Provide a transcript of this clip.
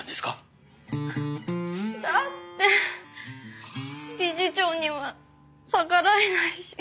だって理事長には逆らえないし。